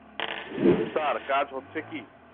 Sir, কাজ হচ্ছে কী?